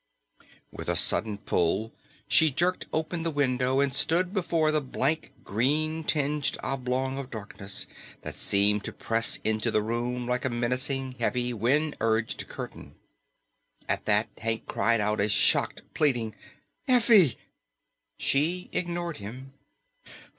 With a sudden pull, she jerked open the window and stood before the blank green tinged oblong of darkness that seemed to press into the room like a menacing, heavy, wind urged curtain. At that Hank cried out a shocked, pleading, "Effie!" She ignored him.